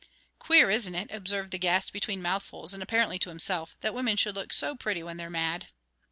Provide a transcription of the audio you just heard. "Queer, isn't it," observed the guest, between mouthfuls, and apparently to himself, "that women should look so pretty when they're mad?"